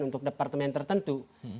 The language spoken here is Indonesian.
untuk departemen tertentu